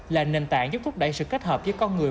là nền tảng giúp thúc đẩy sự kết hợp với con người